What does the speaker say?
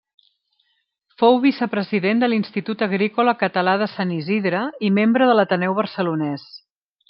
Fou vicepresident de l'Institut Agrícola Català de Sant Isidre i membre de l'Ateneu Barcelonès.